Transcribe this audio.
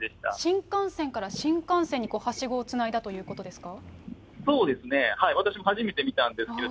新幹線から新幹線にはしごをつないだということですか。